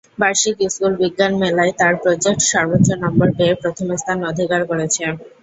বার্ষিক স্কুল বিজ্ঞান মেলায় তার প্রজেক্ট সর্বোচ্চ নম্বর পেয়ে প্রথম স্থান অধিকার করেছে।